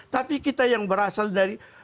tapi kita yang berasal dari